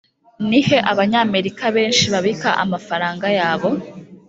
ni he abanyamerika benshi babika amafaranga yabo?